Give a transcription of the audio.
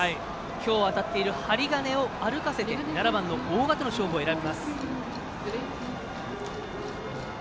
今日当たっている針金を歩かせて７番の大賀との勝負を選びます。